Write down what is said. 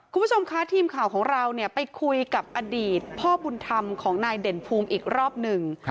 คุณผู้ชมคะทีมข่าวของเราไปคุยกับอดีตพ่อบุญธรรมของนายเด่นภูมิอีกรอบหนึ่ง